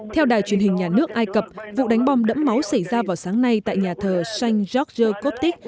theo đài truyền hình nhà nước ai cập vụ đánh bom đẫm máu xảy ra vào sáng nay tại nhà thờ sanh george coptic